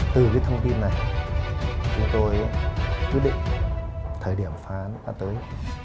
từ cái thông tin này chúng tôi quyết định thời điểm phá án đã tới